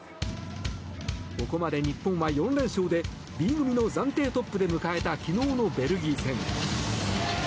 ここまで日本は４連勝でＢ組の暫定トップで迎えた昨日のベルギー戦。